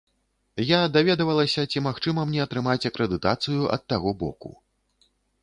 Я даведвалася, ці магчыма мне атрымаць акрэдытацыю ад таго боку.